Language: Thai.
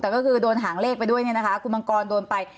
แต่ก็คือโดนหางเลขไปด้วยเนี่ยนะคะคุณมังกรโดนไป